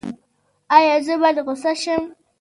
ایا زه باید غوسه شم؟